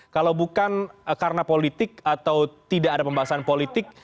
kalau bukan karena politik atau tidak ada pembahasan politik